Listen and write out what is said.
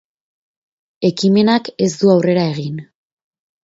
Ekimenak ez du aurrera egin.